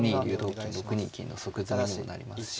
６二金の即詰みにもなりますし。